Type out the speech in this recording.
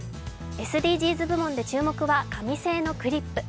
ＳＤＧｓ部門で注目は紙製のクリップ。